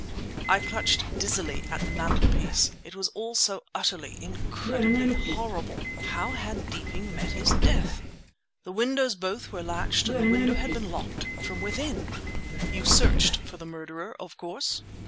I clutched dizzily at the mantelpiece. It was all so utterly, incredibly horrible. How had Deeping met his death? The windows both were latched and the door had been locked from within! "You searched for the murderer, of course?"